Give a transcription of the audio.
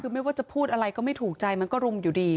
คือไม่ว่าจะพูดอะไรก็ไม่ถูกใจมันก็รุมอยู่ดี